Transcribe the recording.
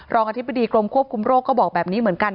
อธิบดีกรมควบคุมโรคก็บอกแบบนี้เหมือนกัน